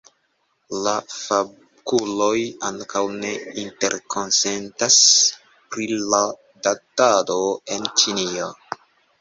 La fakuloj ankaŭ ne interkonsentas pri la datado en Ĉinio.